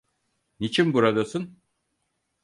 Niçin buradasın?